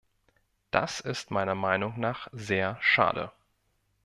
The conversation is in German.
Das ist meiner Meinung nach sehr schade.